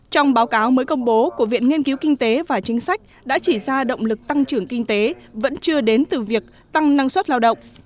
trong báo cáo mới công bố của viện nghiên cứu kinh tế và chính sách đã chỉ ra động lực tăng trưởng kinh tế vẫn chưa đến từ việc tăng năng suất lao động